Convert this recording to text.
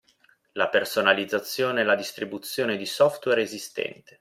La personalizzazione e la distribuzione di software esistente.